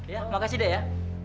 ya makasih dek ya